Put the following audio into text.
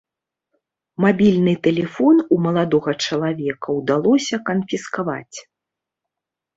Мабільны тэлефон у маладога чалавека ўдалося канфіскаваць.